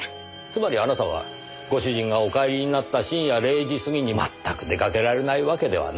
つまりあなたはご主人がお帰りになった深夜０時過ぎに全く出かけられないわけではなかった。